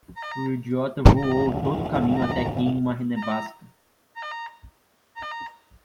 O idiota voou todo o caminho até aqui em uma nevasca.